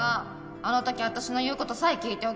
「あのときあたしの言うことさえ聞いておけば」